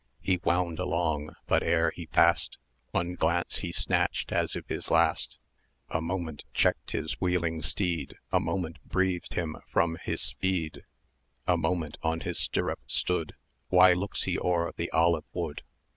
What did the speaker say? [cw] He wound along; but ere he passed One glance he snatched, as if his last, A moment checked his wheeling steed, A moment breathed him from his speed, A moment on his stirrup stood 220 Why looks he o'er the olive wood?